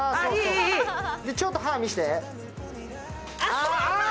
ちょっと歯を見せて。